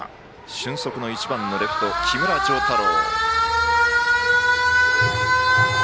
俊足の１番、レフト、木村星太朗。